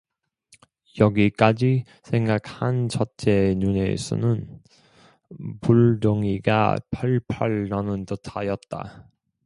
여기까지 생각한 첫째의 눈에서는 불덩이가 펄펄 나는 듯하였다.